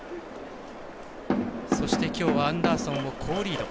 そして、きょうはアンダーソンを好リード。